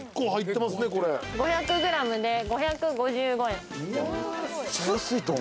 ５００グラムで５５５円。